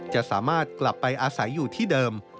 จะสามารถกลับไปอาศัยอยู่ที่เดิม